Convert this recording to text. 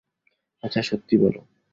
আচ্ছা, সত্যি বলো।